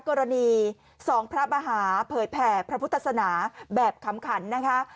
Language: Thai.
กรณี๒พระมหาเผยแผ่พระพุทธศนาแบบขำขันนะคะ